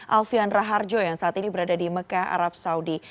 alfian raharjo yang saat ini berada di mekah arab saudi